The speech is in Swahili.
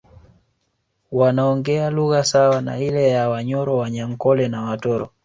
Wanaongea lugha sawa na ile ya Wanyoro Wanyankole na Watoro